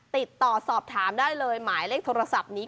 ติดต่อสอบถามได้เลยหมายเลขโทรศัพท์นี้